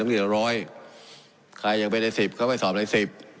น้ำเรียนร้อยใครอยากเป็นในสิบเขาไปสอบในสิบ